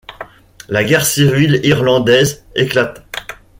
La guerre civile irlandaise éclate.